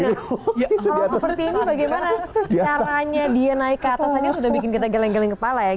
kalau seperti ini bagaimana caranya dia naik ke atas saja sudah bikin kita geleng geleng kepala ya